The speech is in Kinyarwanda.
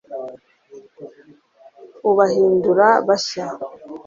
ubahindura bashya